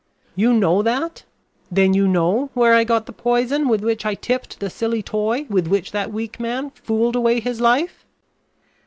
"You know that? Then you know where I got the poison with which I tipped the silly toy with which that weak man fooled away his life?"